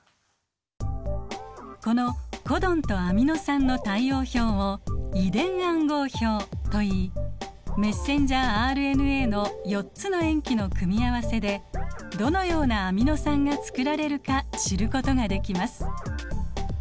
このコドンとアミノ酸の対応表を遺伝暗号表といいメッセンジャーＲＮＡの４つの塩基の組み合わせでどのようなアミノ酸が作られるか知ることができます。